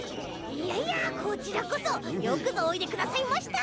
いやいやこちらこそよくぞおいでくださいました！